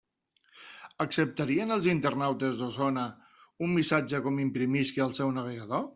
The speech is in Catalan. Acceptarien els internautes d'Osona un missatge com imprimisca al seu navegador?